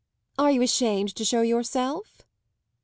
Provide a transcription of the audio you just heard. "Are you ashamed to show yourself?"